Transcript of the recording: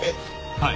はい。